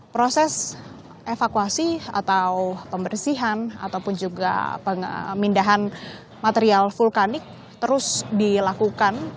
proses evakuasi atau pembersihan ataupun juga pemindahan material vulkanik terus dilakukan